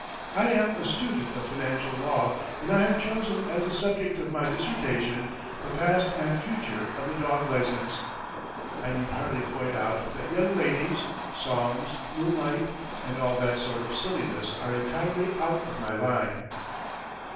I am a student of financial law and I have chosen as the subject of my dissertation the Past and Future of the Dog Licence. I need hardly point out that young ladies, songs, moonlight, and all that sort of silliness are entirely out of my line.